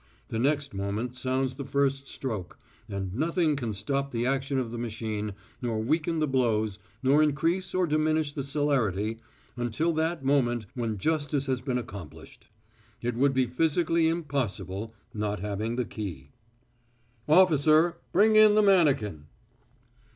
The next moment sounds the first stroke, and nothing can stop the action of the machine, nor weaken the blows, nor increase or diminish the celerity, until that moment when justice has been accomplished. It would be physically impossible, not having the key. "Officer! Bring in the mannikin!